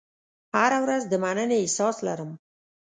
هره ورځ د مننې احساس لرم.